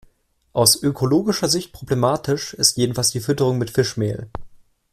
Aus ökologischer Sicht problematisch ist jedoch die Fütterung mit Fischmehl.